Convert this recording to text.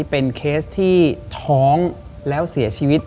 เป็นเคสที่ท้องแล้วเสียชีวิต